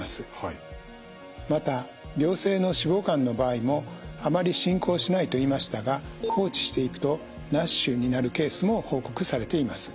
また良性の脂肪肝の場合もあまり進行しないと言いましたが放置していくとＮＡＳＨになるケースも報告されています。